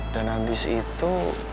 dan abis itu